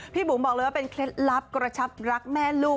บุ๋มบอกเลยว่าเป็นเคล็ดลับกระชับรักแม่ลูก